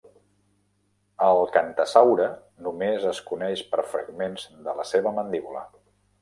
El "qantassaure" només es coneix per fragments de la seva mandíbula.